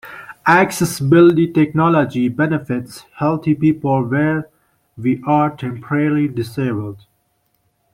Accessibility technology benefits healthy people, where we are temporarily disabled.